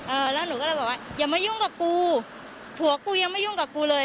เออแล้วหนูก็เลยบอกว่าอย่ามายุ่งกับกูผัวกูยังไม่ยุ่งกับกูเลย